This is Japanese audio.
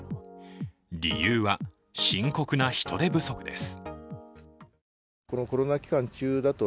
理由は深刻な人手不足です。